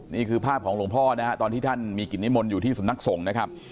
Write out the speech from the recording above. นี่คือภาพของหลวงพ่อนะฮะตอนที่ท่านมีกิจนิมนต์อยู่ที่สำนักสงฆ์นะครับ